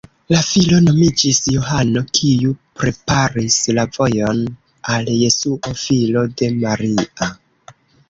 La filo nomiĝis Johano, kiu "preparis la vojon" al Jesuo, filo de Maria.